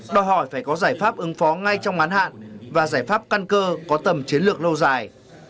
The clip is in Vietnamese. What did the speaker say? đòi hỏi phải có giải pháp ứng phó ngay trong ngán hạn và giải pháp căn cơ có tầm chiến lược lâu dài